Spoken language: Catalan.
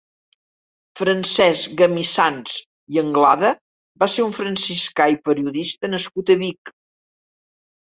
Francesc Gamissans i Anglada va ser un franciscà i periodista nascut a Vic.